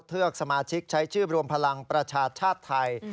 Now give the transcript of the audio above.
เทือกสมาชิกใช้ชื่อรวมพลังประชาชาติไทย